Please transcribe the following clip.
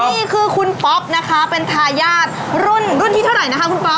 นี่คือคุณป๊อปนะคะเป็นทายาทรุ่นรุ่นที่เท่าไหร่นะคะคุณป๊อ